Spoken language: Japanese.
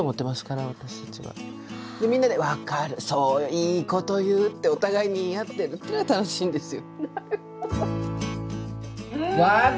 「いいこと言う」ってお互いに言い合ってるっていうのが楽しいんですよ。